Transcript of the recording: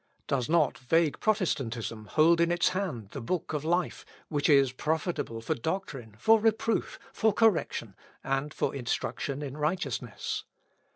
Does not vague Protestantism hold in its hand the Book of Life, which is "profitable for doctrine, for reproof, for correction, and for instruction in righteousness?"